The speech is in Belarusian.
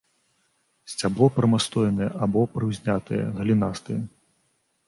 Сцябло прамастойнае або прыўзнятае, галінастае.